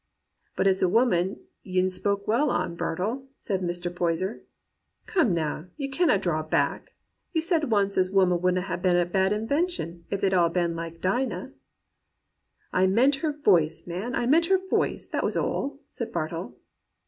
" *But it's a woman you'n spoke well on, Bartle,' said Mr. Poyser. *Come, now, you canna draw back; you said once as women wouldna ha' been a bad invention if they'd all been like Dinah.' " *I meant her voice, man — I meant her voice, that was all,' said Bartle.